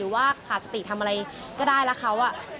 ว่าขาดสติทำอะไรก็ได้แล้วเขา